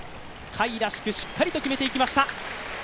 甲斐らしくはしっかりと決めていきました。